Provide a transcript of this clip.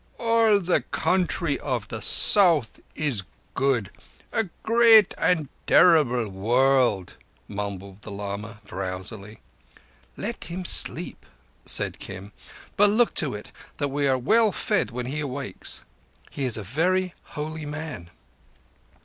All the country of the South is good—a great and a terrible world," mumbled the lama drowsily. "Let him sleep," said Kim, "but look to it that we are well fed when he wakes. He is a very holy man."